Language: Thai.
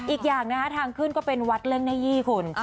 อีกอย่างนะคะทางขึ้นก็เป็นวัดเร่งหน้ายี่คุณ